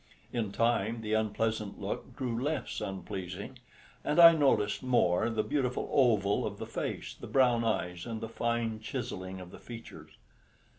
In time the unpleasant look grew less unpleasing, and I noticed more the beautiful oval of the face, the brown eyes, and the fine chiselling of the features.